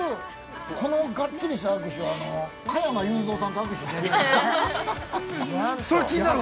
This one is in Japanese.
このがっちりした握手は加山雄三さんと握手して以来。